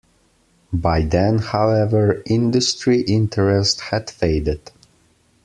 By then, however, industry interest had faded.